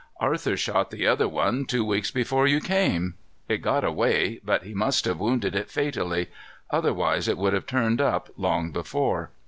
Arthur shot the other one two weeks before you came. It got away, but he must have wounded it fatally. Otherwise it would have turned up long before.